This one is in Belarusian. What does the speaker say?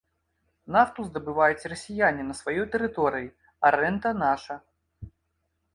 Нафту здабываюць расіяне на сваёй тэрыторыі, а рэнта наша.